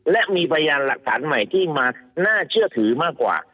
และมีพยานหลักฐานใหม่ที่มาน่าเชื่อถือมากกว่า